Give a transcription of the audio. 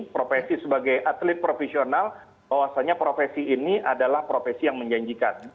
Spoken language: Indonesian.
profesi sebagai atlet profesional bahwasannya profesi ini adalah profesi yang menjanjikan